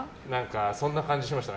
そんな感じしました。